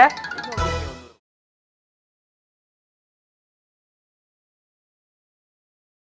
ya ke belakang